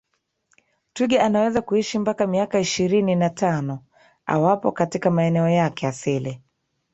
Twiga anaweza kuishi mpaka miaka ishirini na tano awapo katika maeneo yake asili